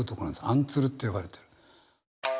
アンツルって呼ばれてる。